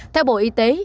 theo bộ y tế